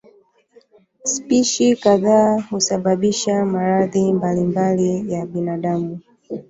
Spishi kadhaa husababisha maradhi mbalimbali ya binadamu.